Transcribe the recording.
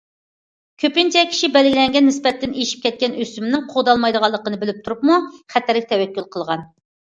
كۆپىنچە كىشى بەلگىلەنگەن نىسبەتتىن ئېشىپ كەتكەن ئۆسۈمنىڭ قوغدالمايدىغانلىقىنى بىلىپ تۇرۇپمۇ، خەتەرگە تەۋەككۈل قىلغان.